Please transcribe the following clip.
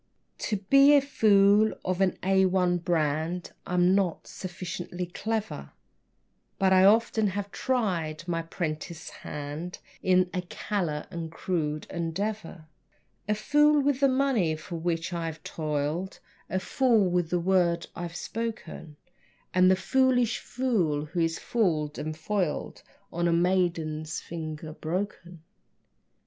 To be a fool of an A1 brand I'm not sufficiently clever, But I often have tried my 'prentice hand In a callow and crude endeavor; A fool with the money for which I've toiled, A fool with the word I've spoken, And the foolish fool who is fooled and foiled On a maiden's finger broken.